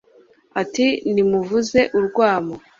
ati nimuvuze urwamo